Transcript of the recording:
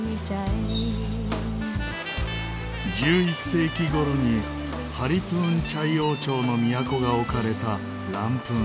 １１世紀頃にハリプーンチャイ王朝の都が置かれたランプーン。